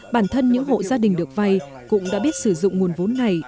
bản thân những hộ gia đình được vay cũng đã biết sử dụng nguồn vốn này